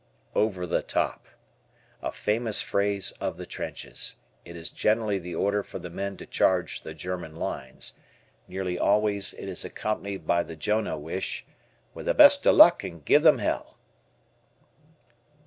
"Over the Top." A famous phrase of the trenches. It is generally the order for the men to charge the German lines. Nearly always it is accompanied by the Jonah wish, "With the best o' luck and give them hell."